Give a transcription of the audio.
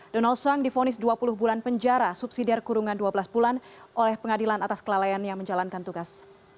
donald trump difonis dua puluh bulan penjara subsidiar kurungan dua belas bulan oleh pengadilan atas kelalaiannya menjalankan tugas